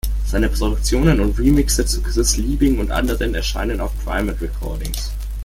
Seine Produktionen und Remixe zu Chris Liebing und anderen erscheinen auf Primate Recordings.